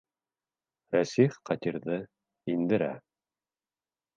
Рәсих Ҡадирҙы индерә.